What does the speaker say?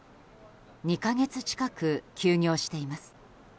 ２か月近く休業しています。